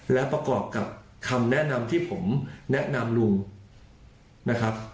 และประกอบกับคำแนะนำที่ผมแนะนำลุงนะครับ